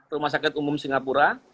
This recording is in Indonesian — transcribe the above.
rumah sakit umum singapura